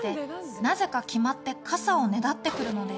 なぜか決まって傘をねだってくるのです］